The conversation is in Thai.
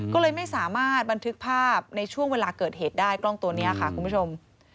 ก็เลยไม่สามารถบันทึกภาพในช่วงเวลาเกิดเหตุได้กล้องตัวนี้ค่ะคุณผู้ชม